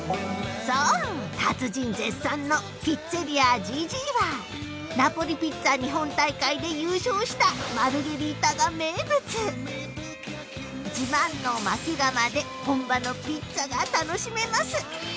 そう達人絶賛のナポリピッツァ日本大会で優勝したマルゲリータが名物自慢の薪窯で本場のピッツァが楽しめます